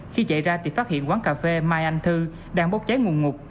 khi chạy ra thì phát hiện quán cà phê mai anh thư đang bốc cháy nguồn ngục